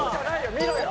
見ろよ。